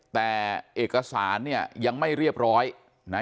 แต่เอกสารเนี่ยยังไม่เรียบร้อยนะ